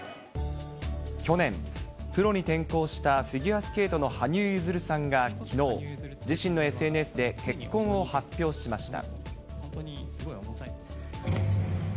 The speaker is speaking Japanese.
去年、プロに転向したフィギュアスケートの羽生結弦さんがきのう、自身のＳＮＳで結婚を発表しました。